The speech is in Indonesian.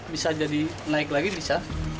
bisa jadi naik lagi bisa